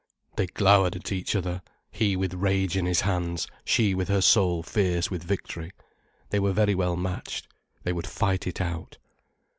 They glowered at each other, he with rage in his hands, she with her soul fierce with victory. They were very well matched. They would fight it out.